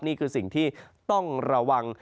นี่คือสิ่งที่ต้องระวัง